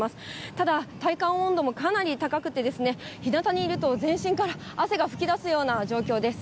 ただ、体感温度もかなり高くて、ひなたにいると、全身から汗が噴き出すような状況です。